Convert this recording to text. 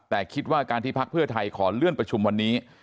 แต่คิดว่าการที่พักเพื่อไทยขอเลื่อนประชุมวันนี้